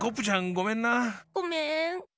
ごめん。